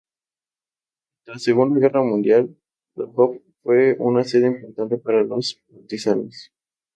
Durante la Segunda Guerra Mundial, Doboj fue una sede importante para los partisanos.